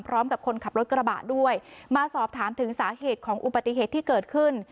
พร้อมกับคนขับรถกระบะด้วยมาสอบถามถึงสาเหตุของอุบัติเหตุที่เกิดขึ้น